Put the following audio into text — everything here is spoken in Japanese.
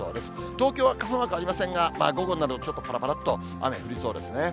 東京は傘マークありませんが、午後になるとちょっとぱらぱらっと雨、降りそうですね。